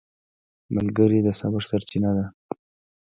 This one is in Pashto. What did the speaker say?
ملګری د صبر سرچینه ده